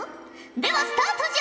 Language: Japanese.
ではスタートじゃ！